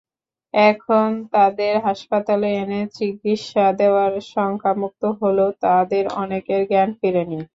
এখন তাদের হাসপাতালে এনে চিকিৎসা দেওয়ায় শঙ্কামুক্ত হলেও তাদের অনেকের জ্ঞান ফেরেনি।